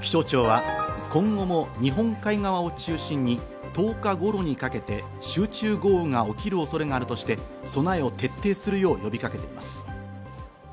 気象庁は今後も日本海側を中心に１０日頃にかけて集中豪雨が起きる恐れがあるとして、備えを徹底するよう呼びかけています。